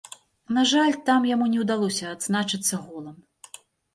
На жаль, там яму не ўдалося адзначыцца голам.